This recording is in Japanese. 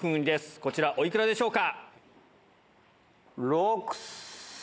こちらおいくらでしょうか。